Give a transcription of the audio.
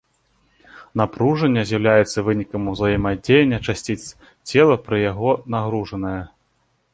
Напружання з'яўляюцца вынікам ўзаемадзеяння часціц цела пры яго нагружаная.